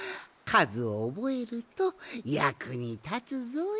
かずをおぼえるとやくにたつぞい。